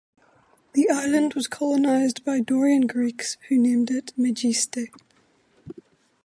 The island was colonised by Dorian Greeks, who named it "Megiste".